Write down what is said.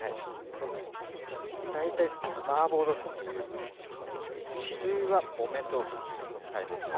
これ大体マーボー豆腐っていう主流は木綿豆腐を使います。